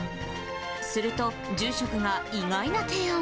すると、住職が意外な提案を。